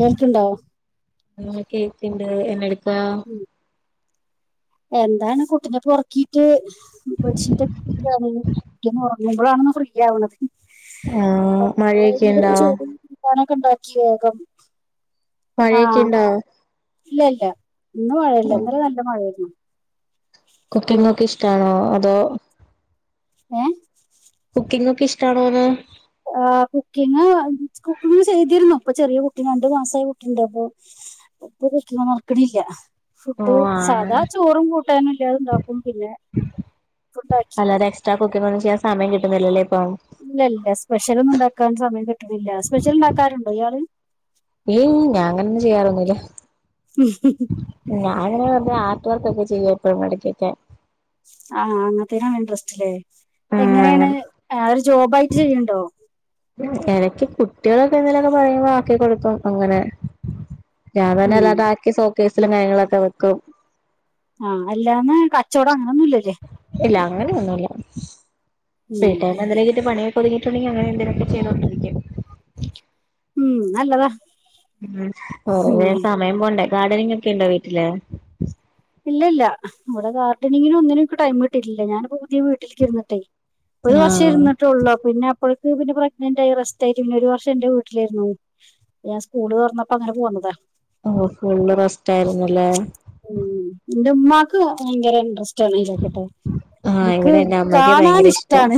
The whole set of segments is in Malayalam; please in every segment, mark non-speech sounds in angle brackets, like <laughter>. കേൾക്ക്ണ്ടോ അ കേക്കണ്ട് എന്നെ എടുക്കാ എന്താണ് കുട്ടിനെ പൊറക്കീട്ട് ബെഡ്ഷീറ്റ് ഇ ഉറങ്ങുമ്പോഴാണ ഫ്രീ ആവണത് ആഹ് മഴയൊക്കെ ഉണ്ടോ പാനൊക്കെ ഉണ്ടാക്കി വേഗം മഴയൊക്കെ ആഹ് ഇണ്ടോ ഇല്ല ഇല്ല ഇന്നു മഴയില്ല ഇന്നലെ നല്ല മഴയായിരുന്നു കുക്കിംഗൊക്കെ ഇഷ്ടാണോ അതോ ഏ കുക്കിംഗ് ഒക്കെ ഇഷ്ടാണോന്ന് ആ കുക്കിങ്ങ് കുക്കിങ്ങുചെയ്തിരുന്നു ഇപ്പൊ ചെറിയ കുട്ടി രണ്ടുമാസായ കുട്ടീണ്ട് അപ്പോ ഇപ്പ കുക്കിങ്ങ് നടക്കണില്ല ഓ ഫുഡ് ആണ് സാധാചോറും കൂട്ടാനെല്ലാതും ഉണ്ടാക്കും പിന്നെ ഫുഡാക്കി കുക്കിങ്ങൊന്നും ചെയ്യാൻ സമയം കിട്ടുന്നില്ലല്ലേ ഇപ്പം ഇല്ല ഇല്ല സ്പെഷ്യൽ ഒന്നും ഉണ്ടാക്കാൻ സമയം കിട്ടുന്നില്ല സ്പെഷ്യൽ ഉണ്ടാക്കാറുണ്ടോ ഇയാള് ഏയ് ഞാൻ അങ്ങനൊന്നും ചെയ്യാറൊന്നൂല്ല ഇയാള് ഞാനങ്ങനെ ആർട്ട് വർക്കൊക്കെ ചെയ്യും എപ്പഴും ഇടക്കൊക്കെ ആ അങ്ങനത്തേനാണ് ഇൻട്രസ്റ്റ് അല്ലേ ഉം എങ്ങനെയാണ് അങ്ങനെ ആ ഒരു ജോബായിട്ട് ചെയ്യണൊണ്ടോ എനക്ക് കുട്ടികളൊക്കെ എന്തേലൊക്കെ പറയുമ്പോ ആക്കികൊടുക്കും അങ്ങനെ ഞാൻ തന്നെ ഉം അല്ലാതാക്കി സോക്കേസിലും കാര്യങ്ങളിലൊക്കെ വെക്കും ആ അല്ലാന്ന് കച്ചവടം അങ്ങനൊന്നുമില്ലല്ലേ ഇല്ല അങ്ങനെയൊന്നുമില്ല ഉം വീട്ടിലെന്തെങ്കിലൊക്കെ പണിയൊക്കെ ഒതുങ്ങി യിട്ടുണ്ടെങ്കിയങ്ങനെ ഇതൊക്കെ ചെയ്തോണ്ടിരിക്കും ഉം നല്ലതാ ഉം ഉം കൊറേ സമയം പോണ്ടേ ഗാർഡനിങ് ഒക്കെ ഉണ്ടോ വീട്ടില് ഇല്ല ഇല്ല ഇവിടെ ഗാർഡനിങ്ങിനും ഒന്നിനും എനിക്ക് ടൈം കിട്ടിയിട്ടില്ല ഞാനിപ്പോ പുതിയ വീ ട്ടിലേക്കിരുന്നിട്ടേ ഒരു വർഷം ആഹ് ഇരുന്നിട്ടേയൊള്ളൂ പിന്നെ അപ്പോഴേക്ക് പിന്നെ പ്രഗ്നന്റായി റസ്റ്റായിക്കും പിന്നെ ഒരു വർഷം എന്റെ വീട്ടിലായിരുന്നു ഞാൻ സ്കൂള് തൊറന്നപ്പോ അങ്ങനെ പോന്നതാ ഓ ഫുള്ള് റെസ്റ്റായിരുന്നല്ലേ ഉം എന്റെ ഉമ്മാക്ക് ഭയങ്കര ഇൻട്രസ്റ്റാണ് ഇലോക്കട്ടെ ആഹ് എനിക്ക് ഇവിടെ എന്റെ അമ്മയ്ക്ക് കാണാൻ ഭയങ്കര ഇഷ്ടാ ഇഷ്ടാണ്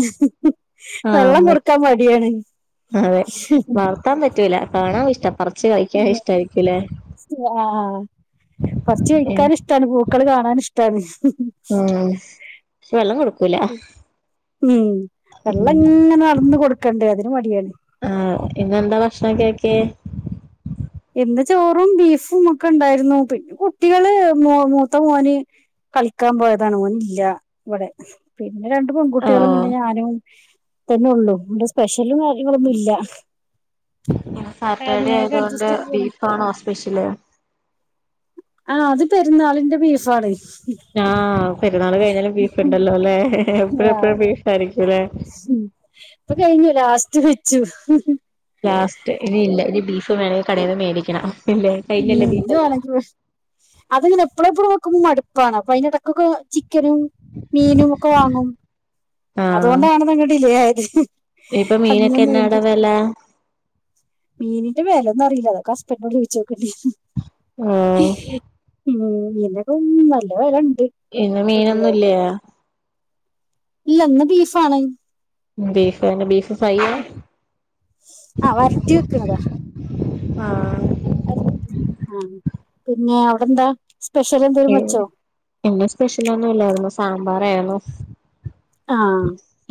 ആഹ് വെള്ളം അമ്മയ്ക്ക് കൊടുക്കാൻ മടിയാണ് അതെ വളർത്താൻ പറ്റൂല കാണാൻ ഇഷ്ടം പറ ച്ചു കഴിക്കാൻ ഇഷ്ടായിരിക്കൂല്ലേ ആഹ് പറിച്ച് ഏ കഴിക്കാൻ ഇഷ്ടാണ് പൂക്കള് കാണാൻ ഇഷ്ടാണ് ഉം വെള്ളം കൊടുക്കൂല ഉം വെള്ളം ഉം ഇങ്ങനെ നടന്നു കൊടുക്കണ്ടെ അതിനുമടിയാണ് ആ ഇന്നെന്താ ഭക്ഷണൊക്കെ ആക്കിയേ ഇന്ന് ചോറും ബീഫുമൊക്കെ ഉണ്ടായിരുന്നു പിന്നെ കുട്ടികള് മോ മൂത്തമോന് കളിക്കാൻ പോയതാണ് ഓനില്ല ഇവിടെ പിന്നെ രണ്ടു പെൺകുട്ടികളും ഓഹ് പിന്നെ ഞാനും തന്നെയൊള്ളൂ ഇവിടെ സ്പെഷ്യലും കാര്യങ്ങളൊന്നും ഇല്ല ഇന്ന് സാറ്റർഡേ അങ്ങനെയൊക്കെ ആയതുകൊണ്ട് അഡ്ജസ്റ്റ് ചെയ്ത് പോണു ബീഫാണോ സ്പെഷ്യല് ആ അത് പെരുന്നാളിന്റെ ബീഫാണ് ആ പെരുന്നാള് കഴിഞ്ഞാലും ബീഫൊണ്ടല്ലോ അല്ലേ എപ്പഴും എപ്പഴും ആഹ് ബീഫായിരിക്കും അല്ലേ <inaudible> ഇപ്പ കഴിഞ്ഞു ലാസ്റ്റ് വെച്ചു ലാസ്റ്റ് ഇനിയില്ല ഇനി ബീഫ് ഉം വേണേൽ കടേന്ന് മേടിക്കണം ഇല്ലേ കഴിഞ്ഞല്ലേ ബീഫെല്ലാം അതിങ്ങനെ എപ്പളും എപ്പളും വെക്കുമ്പോ മടുപ്പാണ് അപ്പൊ അയിനെ എടക്കൊക്കെ ചിക്കനും മീനുമൊക്കെ വാങ്ങും ആഹ് അതുകൊണ്ടാണിതങ്ങ് ഡിലേയായത് ഇപ്പൊ മീനൊക്കെ എന്നാട വെല മീനിന്റെ വെലയൊന്നറിയില്ല അതോക്കെ ഹസ്ബന്റിനോട് ചോയിച്ചോക്കണ്ടി ഉം വരും ഉം മീനൊക്കെ നല്ല വെലയൊണ്ട് ഇന്നു മീനൊന്നുല്ല്യാ ഇല്ല ഇന്ന് ബീഫ് ആണ് ബീഫ്തന്നെ ബീഫ് ഫ്രൈ ആ? ആ വരട്ടി വെക്കിണതാ ആഹ് ആ പിന്നെ അവിടെന്താ സ്പെഷ്യൽ എന്തെലും വച്ചോ? ഇന്ന് സ്പെഷ്യലൊന്നുംല്ലായിരുന്നു സാമ്പാറായിരുന്നു ആ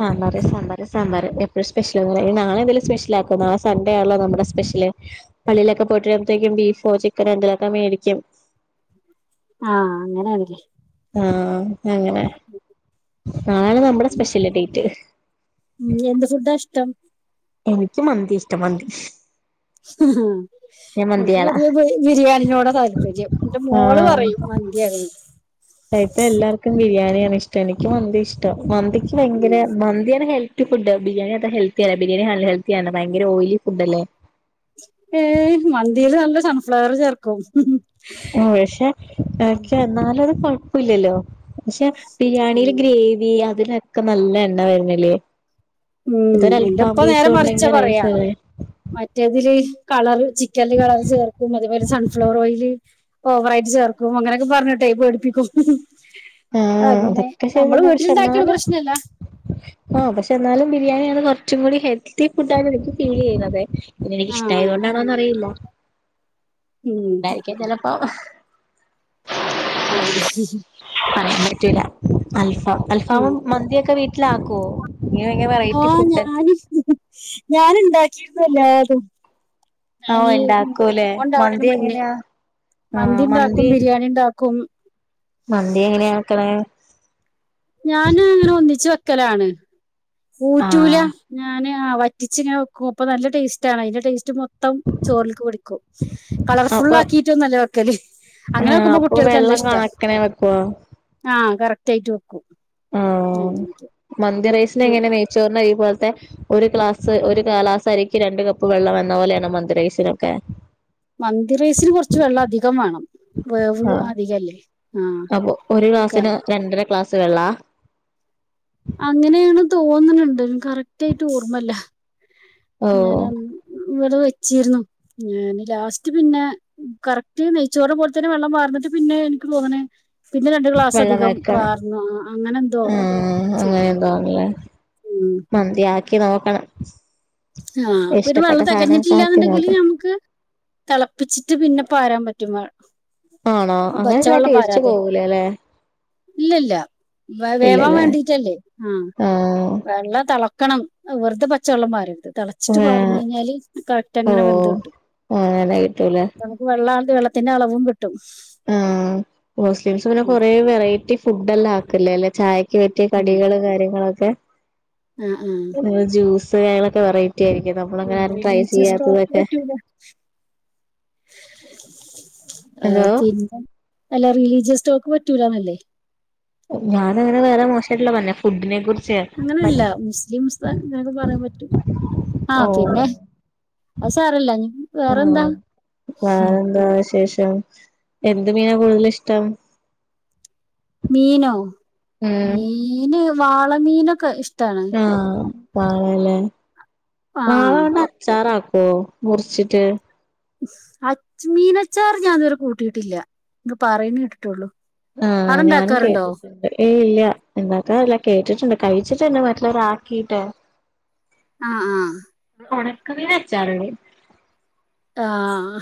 സാമ്പാറ് സാമ്പാറ് സാമ്പാറ് എപ്പഴും സ്പെഷ്യലൊന്നുലാ എനി നാളെന്തേലും സ്പെഷ്യൽ ആക്കും നാളെ സൺേഡേ ആണല്ലോ നമ്മുടെ സ്പെഷ്യല് പള്ളിലൊക്കെ പോയിട്ടരുമ്പഴത്തേക്കും ബീഫോ ചിക്കനോന്തെലൊക്കെ മേടിക്കും ആഹ് അങ്ങനാണല്ലേ ആഹ് അങ്ങനെ നാളെ നമ്മുടെ സ്പെഷ്യൽ ഡേയ്റ്റ് ഉം എന്ത് ഫുഡാ ഇഷ്ടം? എനിക്ക് മന്തി ഇഷ്ട മന്തി ആഹ് ഞാൻ ഇനിക്ക് മന്തിയാളാ പൊതുവേ ബിരിയാണി നോട താല്പര്യം ന്റെ മോള് പറയും മന് എനിക്ക് അറിയില്ല അ ഇപ്പം എല്ലാർക്കും ബിരിയാണിയാണ് ഇഷ്ടം എനിക്ക് മന്തി ഇഷ്ടം മന്തിക്ക് ഉം, ഭയങ്കര മന്തിയാണ് ഹെൽ ത്തി ഫുഡ് ബിരിയാണി അത്ര ഹെൽത്തിയല്ല ബരിയാണി അണ് ഹെ ൽത്തി ആണ് ഭയങ്കര ഓയിലി ഫുഡല്ലേ ഏ മന്തില് നല്ല സൺഫ്ലവർ ചേർക്കും ഉം പക്ഷെ എന്നാലു അത് കൊഴപ്പുല്ലല്ലോ പക്ഷെ ബിരിയാണില് ഗ്രേവി അതിലൊക്കെ നല്ല എണ്ണ വരണില്ലേ ഉം എന്റുപ്പ നേരെ മറിച്ചാ പറയാ റൈസല്ലേ മറ്റേതില് കളറ് ചിക്കൻല് കളർ ചേർക്കും അത്പോലെ സൺഫ്ലവർ ഓയില് ഓവറായിട്ട് ചേർക്കും അങ്ങനെയൊക്കെ പറഞ്ഞിട്ടെ പേടിപ്പിക്കും ആഹ് അങ്ങനെ അതൊക്കെ ശരി നമ്മള് തന്നെ പക്ഷെ വീട്ടിലിണ്ടാക്കണ എന്നാലും പ്രശ്നല്ല ആഹ് പക്ഷെ എന്നാലും ബിരിയാണിയാണ് കുറച്ചും കൂടി ഹെൽത്തി ഫുഡ് ആണ് എനിക്ക് ഫീൽ ചെയ്യുന്നതെ പിന്ന എനിക്ക് ഇഷ്ടയതോ ആഹ് ണ്ടാണോന്നറിയില്ല ഉം അതുകൊണ്ടായിരിക്കും ചെലപ്പോ ആഹ് പറയാൻ പറ്റൂല അൽഫ ഉം അൽഫാമും മന്തിയൊക്കെ വീട്ടിലാക്കുവോ ഇങ്ങനെ ഭയങ്കര വെറൈറ്റി ആഹ് ഫുഡ് ഞാന് ഞാന ഉണ്ടാക്കിയിരുന്നു എല്ലാഏതും ഓഹ് ഞാനീ ഇണ്ടാക്കൂലേ മോൻണ്ടവണേന് മന്തി മുന്നേ എങ്ങനെയാ മന്തി ണ്ടാക്കും ബിരിയാണി ണ്ടാക്കും മന്തി എങ്ങനെയ ആക്കണെ ഞാന് ഇങ്ങനെ ഒന്നിച്ചു വെക്കലാണ് ഊറ്റൂല ആഹ് ഞാന് ആ വറ്റിച്ചിങ്ങനെ വെക്കും അപ്പൊ നല്ല ടേസ്റ്റ് ആണ് അതിന്റെ ടേസ്റ്റ് മൊത്ത ത്തം ചോറില്ക്ക് പിടിക്കൂ അപ്പൊ കളർഫുള്ളക്കിയിട്ടൊന്നുംല്ല വെക്കല് അങ്ങനെ വെക്കുമ്പോ കുട്ടികൾക്ക് നല്ല ഇഷ്ടാ വെക്കുവാ ആഹ് കറക്റ്റയിട്ട് വെക്കും ആഹ് മന്തി റൈസിനെ എങ്ങനെയ നെയ്ച്ചോറിന്റെ അരി പോലത്തെ ഒരു ക്ലാസ് സ ഒരു ഗലാസ് അരിക്ക് രണ്ട് കപ്പ് വെള്ളം എന്ന പോലെയാണോ മന്തി റായ്സിനൊക്കെ മന്തിറയ്സിന് കുറച്ച് വെള്ളം അധികം വാ ണം വേവ് ആഹ് അധികല്ലേ അപ്പൊ ഒരു ആഹ് ക്ലാസ്സിന് രണ്ടര ക്ലാസ് വെള്ളാ? അങ്ങനെയാണ് തോന്നണണ്ട് കറക്റ്റ് ആയിട്ട് ഓർമ്മല്ല ഞാൻ ഓഹ് ഇവിടെ വെച്ചീരുന്നു ഞാന് ലാസ്റ്റ് പിന്നെ കറക്റ്റ് നെയ്ച്ചോറ് പോലെ തന്നെ വെള്ളം വാർന്നിട്ട് പിന്നെ എനിക്ക് തോന്നണെ പിന്നെ രണ്ട് ക്ലാസ് വെള്ളം അധികം വെക്കണം പാർന്നു അങ്ങനെ എന്തോ ആഹ് അങ്ങനെ ചെയ്തത് എന്തോ ആണല്ലേ ഉം മന്തിയാക്കി നോക്കണം ആഹ് പ്പത് ഇഷ്ടപ്പെട്ട വെള്ളം സാധനൊക്കെ ആക്കി തികഞ്ഞിട്ടില്ലന്നുണ്ടെങ്കില് നോക്കണം നമ്മക്ക് തിളപ്പിച്ചിട്ട് പിന്നെ പാരാൻ പറ്റും ആണോ അങ്ങനെ കാട്ടിയ ടേസ്റ്റ് പോകൂലലേ ഇല്ലല്ല വേവാൻ ഇല്ലല്ലേ വേണ്ടിട്ടല്ലേ ആഹ് ആഹ് വെള്ളം തിള ക്കണം വെറുതെ പച്ചെള്ളം പാരരുത് ച്ചിട്ട് പാർന്ന് ആഹ് കഴിഞ്ഞാല് കറക്റ്റ് ഓ അങ്ങനെ വെന്ത് അങ്ങനെ കിട്ടൂല കിട്ടും വെള്ള വെള്ളത്തിന്റെ അളവും കിട്ടും ഉം ഹോസ്റ്റൽസ് പിന്നെ ഉം, കൊറേ വെറൈറ്റി ഫുഡ് എല്ലാം ആക്കല്ലേ അല്ലെ ചായ കേറ്റിയ കടികള് കാര്യങ്ങളൊക്കെ ആഹ് ആഹ് ജൂസ് കാര്യങ്ങളൊക്കെ വെറൈറ്റി ആയിരിക്കും നമ്മള അങ്ങനെ ആരും ട്രൈ ചെയ്യാത്തതൊക്കെ ആഹ് എന്തോ പിന്നെ അല്ല റിലീജിയസ് സ്റ്റോക്ക് പറ്റൂലന്നല്ലേ ഞാന അങ്ങന വേറെ മോശായിട്ടുള്ള പറഞ്ഞോ ഫുഡിനെ കുറിച്ച് അങ്ങനെല്ല മുസ്ലിംസ് ഇങ്ങനൊക്കെ പറയാൻ പറ്റും ആഹ് പിന്നെ അത് സാരല്ല ഇനി ആ വേറെന്താ ഉം. വേറെന്താ വിശേഷം എന്ത് മീനാ കൂടുതൽ ഇഷ്ടം മീനോ ഉം മീന് വാള മീനൊക്കെ ഇഷ്ടാണ് ആഹ് വാളല്ലേ ആഹ് വാള അച്ചാറാക്കോ മുറിച്ചിട്ട് അച് മീനച്ചാർ ഞാൻ ഇതുവരെ കൂട്ടിയിട്ടില്ല ഇത് പറയുന്ന കേട്ടിട്ടുള്ളൂ ആഹ് അവിടെ ഞാനും ഇണ്ടാക്കാറുണ്ടോ കേട്ടിട്ടുണ്ട് ഏയ് ഇല്ല ഉണ്ടാക്കാൻ അറിയില്ല കേട്ടിട്ടുണ്ട് കഴിച്ചിട്ടന്നെ മറ്റുള്ളവരാക്കിയിട്ട് ആഹ് ആഹ് ഉണക്കമീൻ അച്ചാർടെ ആഹ്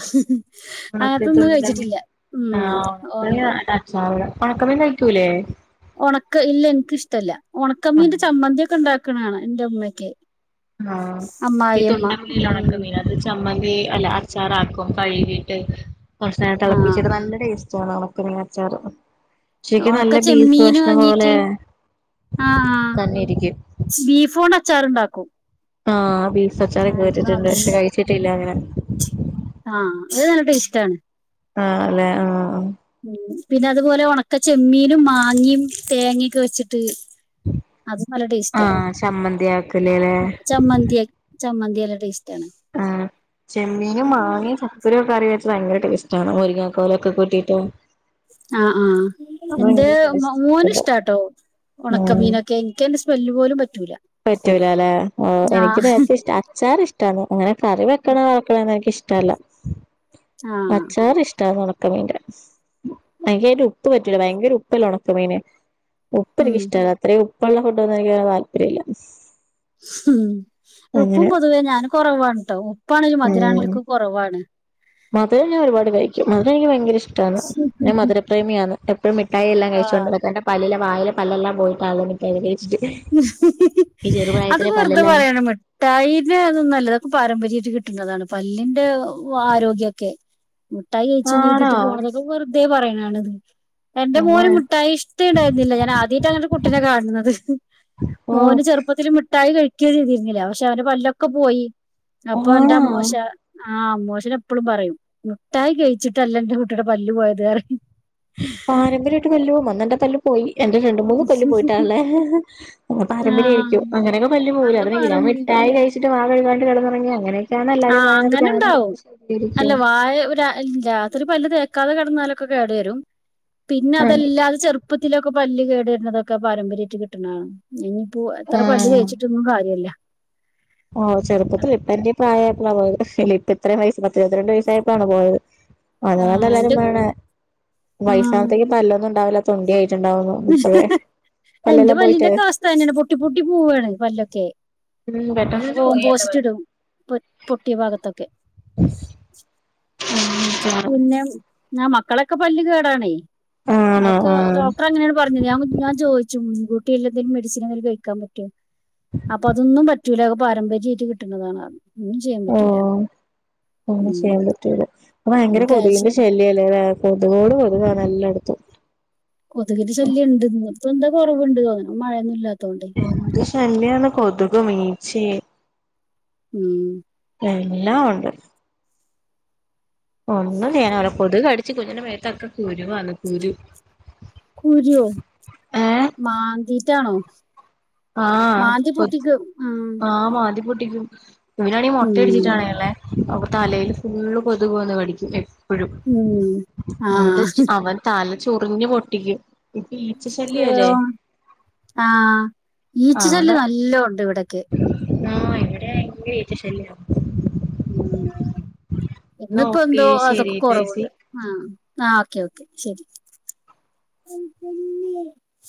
ഒണക്ക അതൊന്നും തുണ്ടമീൻ കഴിച്ചിട്ടില്ല ഉം ഒണ <unintelligible> ഉണക്കമീൻ കഴിക്കൂലേ ഉണക്ക ഇല്ല എനിക്ക് ഇഷ്ടല്ല ആഹ് ഉണക്കമ്മീന്റെ ചമ്മന്തി ഒക്കെ ഉണ്ടാക്ക്‌ണാണ എന്റെ ഉമ്മക്കെ ആഹ് ഈ അമ്മായിഅമ്മ ഉം തുണ്ടമീനില്ലേ ഒണക്കമീൻ ചമ്മന്തി അല്ല അച്ചാറാക്കും കഴുകീട്ട് കുറച്ചു നേരം ആഹ് തിളപ്പിച്ചത് നല്ല ടേസ്റ്റ് ആണ് ഉണക്ക മീൻ അച്ചാറ് ശെരിക്ക് ഒണക്ക നല്ല ബീഫ് ചെമ്മീന് കഷ്ണം പോലെ വാങ്ങീട്ട് തന്നെയിരിക്കും ബീഫോൺണ്ട് അച്ചാർ ഉണ്ടാക്കും ആഹ് ബീഫ് അച്ചാറൊക്കെ കേട്ടിട്ടുണ്ട് നാത്തൂൻ പക്ഷെ ഇണ്ടാക്കും കഴിച്ചിട്ടില്ല അങ്ങനെ ആഹ് അത് നല്ല ടെസ്റ്റാണ് ആഹ് അല്ലെ ആഹ് ആ ഉം പിന്നെ അതുപോലെ ഉണക്ക ചെമ്മീനും മാങ്ങയും തേങ്ങൊക്കെ വെച്ചിട്ട് അതും നല്ല ടേസ്റ്റാ ആഹ് ചമ്മന്തി ആക്കല്ലേല്ലേ ചമ്മന്തി ചമ്മന്തിനല്ല ടെസ്റ്റാണ് ആഹ് ചെമ്മീനും മാങ്ങയും ചക്കക്കുരു ഒക്കെ കറിവെച്ചത് ഭയങ്കര ടേസ്റ്റ് ആണ് മുരിങ്ങക്കോലൊക്കെ കൂട്ടിയിട്ട് ആ ആഹ് അത് എന്റെ ഭയങ്കര മോന് ടേസ്റ്റാ ഇഷ്ടാട്ടോ ഉം ഉണക്കമീനൊക്കെ ഇൻക്ക് അയിന്റെ സ്മെല്ല് പോലും പറ്റൂല പറ്റൂലാല്ലെ ആഹ് എനിക്ക് നേരത്തെ ഇഷ്ട്ടാ അച്ചാറ് ഇഷ് ട്ടാണ് അങ്ങനെ കറി വെക്കണ <unintelligible> എനിക്ക് ഇഷ്ട്ടല്ലാ ആഹ് അച്ചാറ് ഇഷ്ട്ടാ ഒണ ഒണക്കമീന്റെ എനിക്കതിൻ്റെ ഉപ്പ് പറ്റൂലാ ഭയങ്കര ഉപ്പല്ലേ ഒണക്കമീന് ഉപ്പ് ഉം എനിക്കിഷ്ട്ടല്ല അത്രയും ഉപ്പ് ഉള്ള ഫുഡൊന്നും എനിക്ക് അങ്ങനെ താല്പര്യം ഇല്ലാ ഉം ഉപ്പും പൊതുവേ ഞാന് കൊറവാണ് ട്ടോ ഉപ്പാണെങ്കിലും മധുരാണേങ്കിലും ഉം ഒക്കെ കൊറവാണ് മധുരം ഞാൻ ഒരുപാട് കഴിക്കും മധുരം എനിക്ക് ഭയങ്കര ഇഷ്ട്ടാണ് ഞാൻ മധുര പ്രേമിയാന്ന് എപ്പഴും മിഠായി എല്ലാം കഴിച്ചോണ്ട് ആഹ് നടക്കും എൻ്റെ പല്ലിലെ വായിലെ പല്ലെല്ലാം പോയിട്ടാ <unintelligible> <unintelligible> അത് വെറുതെ പറയാണ് മിഠാ ഠായിൻ്റെ അതൊന്നു അല്ല അതൊക്കെ പാരമ്പര്യായിട്ട് കിട്ടുന്നതാണ് പല്ലിന്റെ ആരോഗ്യൊക്കെ മിട്ടായി കഴിച്ചൂന്ന് ആണോ കരുതീട്ട് പോവാ അതൊക്കെ വെറുതെ പറയണതാണ് എന്റെ ഓഹ് മോന് മുഠായി ഇഷ്ട്ടെണ്ടായിരുന്നില്ലാ ഞാനാദ്യമയിട്ടാണ് അങ്ങനൊരു കുട്ടീനെ കാണണത് ഓഹ് മോന് ചെറുപ്പത്തിൽ മിഠായി കഴിക്കേ ചെയ്തീരുന്നില്ലാ പക്ഷെ അവന്റെ പല്ലൊക്കെ പോയി അപ്പൊ എൻ്റെ ആണോ അമ്മോശ ആഹ് അമ്മോശൻ എപ്പളും പറയും മുഠായി കഴിച്ചിട്ടല്ല എന്റെ കുട്ടീടെ പല്ല് പോയത് പറയും പാരമ്പര്യായിട്ട് പല്ല് പോവും അന്നാ എന്റ പല്ല് പോയി എൻ്റെ രണ്ട് മൂന്ന് പല്ല് പോയിട്ടാള്ളെ ആഹ് ആ പാരമ്പര്യായിരിക്കും അങ്ങനൊക്കെ പല്ല് പോവൂലെ അത് അതിനെ ഞൻ ഭാരം മിഠായി കഴിച്ചിട്ട് വാ കഴുകാണ്ട് കെടന്നൊറങ്ങി അങ്ങനൊക്കെ ട്ടാണ് ആ എല്ലാരും പറയുന്ന ഞാന് <inaudible> അത് രാ രാത്രി പല്ല് തേക്കാതെ കെടന്നാലൊക്കെ കേട് വരും പിന്നെ ആഹ് അതല്ലാതെ ചെറു ചെറുപ്പത്തിലൊക്കെ പല്ല് കേടരുന്നതൊക്കെ പാരമ്പര്യായിട്ട് കിട്ടണതാണ് ഇനിയിപ്പോ എത്ര പല്ല് ആഹ് തേച്ച് ട്ടൊന്നും കാര്യല്ലാ ഓഹ് ചെറുപ്പത്തില് ഇപ്പെന്റെ പ്രായായപ്പഴാണ് പോയത് ഇപ്പ ഇത്രയും വയസ്സ് പത്തിരുപത്തിരണ്ട് വയസ്സായപ്പഴാണ് പോയത് അത് കൊണ്ടാ ആഹ് എല്ലാരും എന്റെ പറയണേ ആഹ് വയസാമ്പത്തേക്കും പല്ലൊന്നും ഇണ്ടാവില്ലാ തൊണ്ടി ആയിട്ടുണ്ടാവൂന്ന് ഇപ്പഴേ പല്ലെല്ലാം പോയിറ്റ് ആണേ പൊട്ടി പൊട്ടി പോവാണെ പല്ലൊക്കെ ഉം പെട്ടെന്ന് അങ്ങനെ തന്നെ പോയി പോവുമ്പം എന്റെ <unintelligible> പല്ല് ഇടും പൊട് പൊട്ടിയ ഭാഗത്തൊക്കെ ഉ <inaudible> പിന്നെ ആഹ് മക്കളെയൊക്കെ പല്ല് കേടാണേ ആണോ അതൊക്കെ ആഹ് ഡോക്ടർ അങ്ങനാണ് പറഞ്ഞത് ഞാൻ ഞാൻ ചോദിച്ചു മുൻകൂട്ടി എന്തെങ്കിലും മെഡിസിൻ എന്തെങ്കിലും കഴിക്കാൻ പറ്റോന്ന് അപ്പൊ അതൊന്നും പറ്റൂലാ അത് പാരമ്പര്യ ആയിട്ട് കിട്ടുന്നതാ പറഞ്ഞു ഒന്നും ചെയ്യാൻ ഓ പറ്റൂലാ ഉം <unintelligible> ഇപ്പൊ നമ്മള് ഭയങ്കര കൊതുകിന്റെ കാൽസ്യത്തിന് ശല്യാല്ലേ കൊതുകോട് കൊതുകാണ് എല്ലാടത്തും കൊതുകിന്റെ ശല്യം ഇണ്ട് ഇന്ന് ഇപ്പൊ എന്തോ കൊറവ്ണ്ട് തോന്ന്ണ് ഇന്ന് മഴയൊന്നും ഇല്ലാത്തോണ്ട് എന്ത് ശല്യാണ് കൊതുകും ഈച്ചയും ഉം എല്ലാം ഒണ്ട് ഒന്നും ചെയ്യാനും ആവൂല്ലാ കൊതുക് കടിച്ച് കുഞ്ഞിന്റെ മേത്തൊക്കെ കുരു വന്ന് കുരു കുരുവോ ഏഹ് മാന്തിറ്റാണോ ആഹ് കൊച്ച് ആഹ് മാന്തിപ്പൊട്ട് ഉം ഇവനാണെ മൊട്ടയടിച്ചിട്ടാണെ ഉം ഒള്ളേ അപ്പൊ തലേല് ഫുള്ള് കൊതുക് വന്ന് കടിക്കും പ്പഴും ഉം മോൻ്റെ ആഹ് ച് അവൻ തല ചൊറിഞ്ഞ് പൊട്ടിക്കും ഇപ്പ ഈച്ച ശല്യവല്ലേ ആഹ് ഈച്ച അവടെ ശല്യം നല്ലോം ഉണ്ട് ഇവിടൊക്കെ ആഹ് എവിടെ ആണെങ്കിലും ഈച്ച ശല്യവാ ഉം എന്നാ ഇന്നിപ്പോ ഓക്കെ എന്തോ അതൊക്കെ ശരി ടൈസി കൊറവുണ്ട് ആം ആ ഓക്കെ ഓക്കെ ശരി